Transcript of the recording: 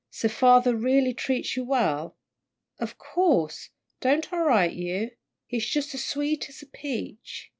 "So father really treats you well?" "Of course don't I write you? He's jus' as sweet as a peach.